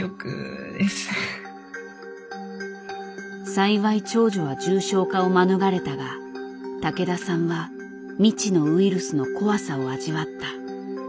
幸い長女は重症化を免れたが竹田さんは未知のウイルスの怖さを味わった。